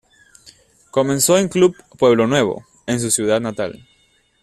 Comenzó en el Club Pueblo Nuevo, en su ciudad natal.